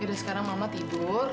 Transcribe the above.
yaudah sekarang mama tidur